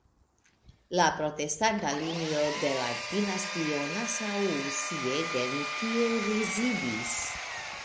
La protestanta linio de la dinastio "Nassau-Siegen" tie rezidis.